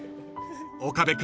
［岡部君